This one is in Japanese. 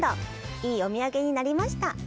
いいお土産になりました。